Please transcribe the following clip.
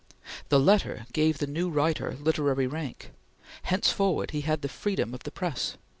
The letter gave the new writer literary rank. Henceforward he had the freedom of the press.